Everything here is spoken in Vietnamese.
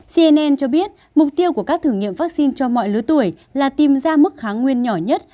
cnn cho biết mục tiêu của các thử nghiệm vaccine cho mọi lứa tuổi là tìm ra mức kháng nguyên nhỏ nhất